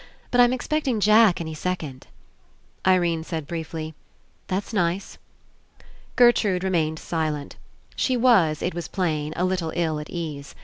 But I'm ex pecting Jack any second." Irene said briefly: "That's nice." Gertrude remained silent. She was. It was plain, a little 111 at ease.